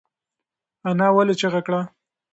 انا ولې چیغه کړه؟